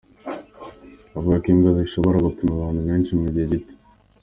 Bavuga ko imbwa zishobora gupima abantu benshi mu gihe gito.